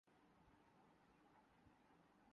ہارکاغصہبیئونٹ نے تین ریکٹس توڑ دیئے